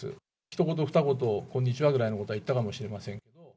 ひと言二言、こんにちはぐらいのことは言ったかもしれません。